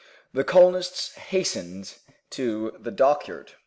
The colonists hastened to the dockyard.